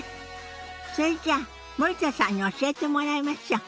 それじゃあ森田さんに教えてもらいましょ。